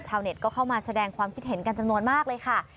เน็ตก็เข้ามาแสดงความคิดเห็นกันจำนวนมากเลยค่ะ